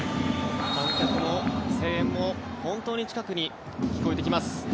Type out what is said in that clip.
観客の声援も本当に近くに聞こえてきます。